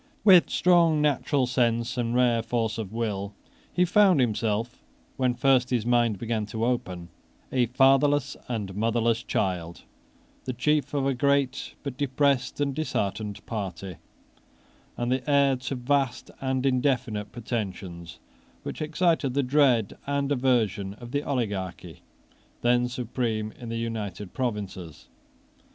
With strong natural sense, and rare force of will, he found himself, when first his mind began to open, a fatherless and motherless child, the chief of a great but depressed and disheartened party, and the heir to vast and indefinite pretensions, which excited the dread and aversion of the oligarchy then supreme in the United Provinces.